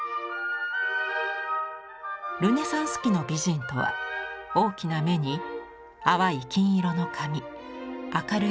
ルネサンス期の美人とは大きな目に淡い金色の髪明るい肌。